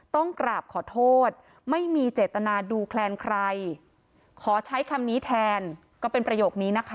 ต้องกราบขอโทษไม่มีเจตนาดูแคลนใครขอใช้คำนี้แทนก็เป็นประโยคนี้นะคะ